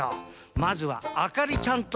まずはあかりちゃんとしょうぶ！